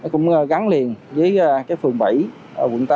cũng gắn liền với phường bảy quận tám